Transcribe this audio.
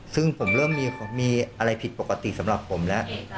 ซึ่งผมเริ่มมีอะไรผิดปกติสำหรับผมแล้ว